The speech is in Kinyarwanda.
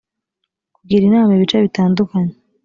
kugira inama ibice bitandukanye